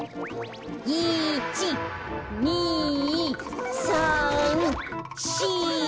１２３４。